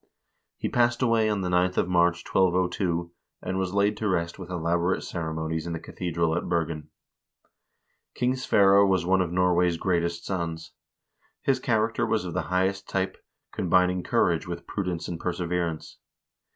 He passed away on the 9th of March, 1202, and was laid to rest with elaborate ceremonies in the cathedral at Bergen. King Sverre was one of Norway's greatest sons. His character was of the highest type, combining courage with prudence and perseverance.